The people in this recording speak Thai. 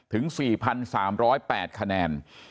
ถึง๔๓๐๘คะแนน